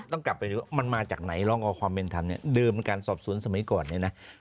ต้องกลับไปดูว่ามันมาจากไหนร้องขอความเป็นธรรมเนี่ยเดิมการสอบสวนสมัยก่อนเนี่ยนะ